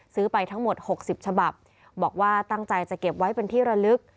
ไปทั้งหมด๖๐ฉบับบอกว่าตั้งใจจะเก็บไว้เป็นที่ระลึก